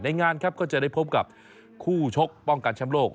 งานครับก็จะได้พบกับคู่ชกป้องกันแชมป์โลก